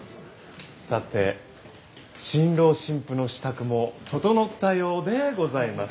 さて新郎新婦の支度も整ったようでございます。